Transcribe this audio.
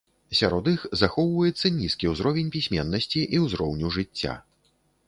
Сярод іх захоўваецца нізкі ўзровень пісьменнасці і ўзроўню жыцця.